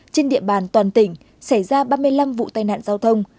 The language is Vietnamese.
trên địa bàn toàn tỉnh xảy ra ba mươi năm vụ tai nạn giao thông